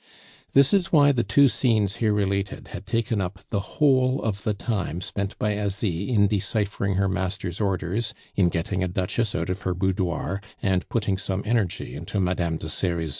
This is why the two scenes here related had taken up the whole of the time spent by Asie in deciphering her master's orders, in getting a Duchess out of her boudoir, and putting some energy into Madame de Serizy.